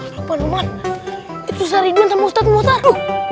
mas lopan roman itu saridwan sama ustadz muhtar